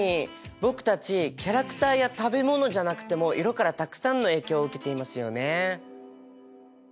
僕たちキャラクターや食べ物じゃなくても色からたくさんの影響を受けていますよね。